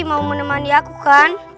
mau menemani aku kan